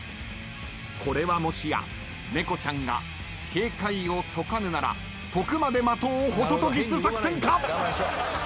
これはもしや猫ちゃんが警戒を解かぬなら解くまで待とうホトトギス作戦か？